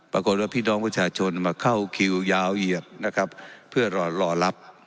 ปรากฏว่าพี่น้องประชาชนมาเข้าคิวยาวเหยียดนะครับเพื่อรอรอรับ